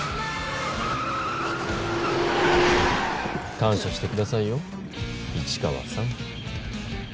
感謝してくださいよ市川さん。